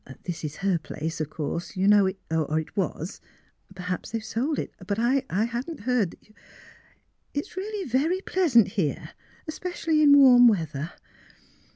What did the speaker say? This is her place, of course you know, — or was. Perhaps they have sold it. But I hadn't heard that you It is really veri/ pleasant here, especially in warm weather."